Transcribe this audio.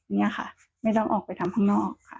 นี่ค่ะไม่ต้องออกไปทำข้างนอกค่ะ